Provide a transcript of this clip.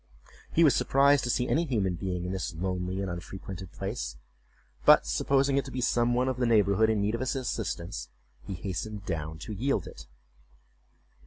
He was surprised to see any human being in this lonely and unfrequented place, but supposing it to be some one of the neighborhood in need of his assistance, he hastened down to yield it.